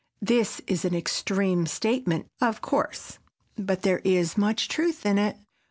This is an extreme statement, of course, but there is much truth in it.